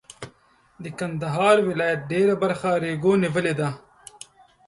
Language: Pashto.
د کندهار ولایت ډېره برخه ریګو نیولې ده.